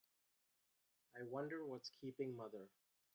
I wonder what's keeping mother?